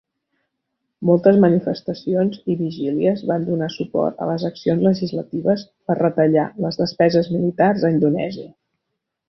Moltes manifestacions i vigílies van donar suport a les accions legislatives per retallar les despeses militars a Indonèsia.